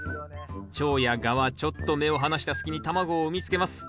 チョウやガはちょっと目を離した隙に卵を産みつけます。